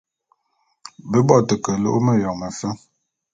Be bo te ke alu'u meyone mefe.